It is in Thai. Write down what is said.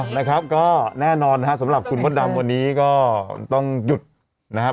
นะครับก็แน่นอนนะครับสำหรับคุณมดดำวันนี้ก็ต้องหยุดนะครับ